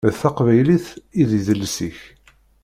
D taqbaylit i d idles-ik.